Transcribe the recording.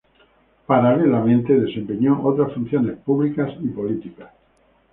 Paralelamente, desempeñó otras funciones públicas y políticas.